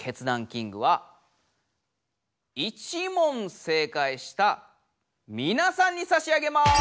キングは１問正解したみなさんにさし上げます。